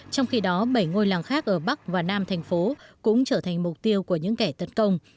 trong khi đó bảy ngôi làng khác ở bắc và nam thành phố cũng trở thành mục tiêu của những kẻ tấn công